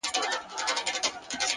لوړ همت ناامیدي شاته پرېږدي,